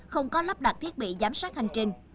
không có lắp đặt thiết bị giám sát hành trình